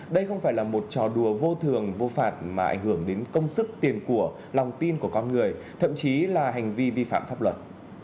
đây không phải là một trò đùa vô thường vô phạt mà ảnh hưởng đến công sức tiền của lòng tin của con người thậm chí là hành vi vi phạm pháp luật